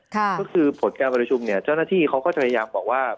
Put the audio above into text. ก็คือผลการประชุมเนี่ยเจ้าหน้าที่เขาก็จะพยายามบอกว่า